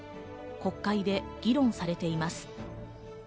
国会で議論されています。